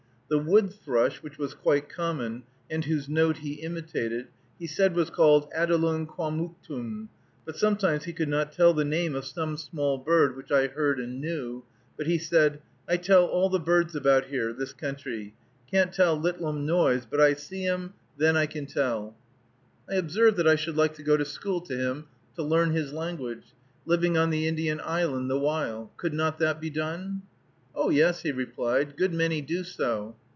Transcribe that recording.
The wood thrush, which was quite common, and whose note he imitated, he said was called Adelungquamooktum; but sometimes he could not tell the name of some small bird which I heard and knew, but he said, "I tell all the birds about here, this country; can't tell littlum noise, but I see 'em, then I can tell." I observed that I should like to go to school to him to learn his language, living on the Indian island the while; could not that be done? "Oh, yer," he replied, "good many do so."